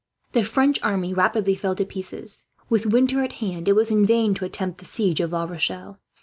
The French army rapidly fell to pieces. With winter at hand, it was in vain to attempt the siege of La Rochelle.